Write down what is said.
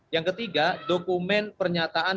yang ketiga dokumen pernyataan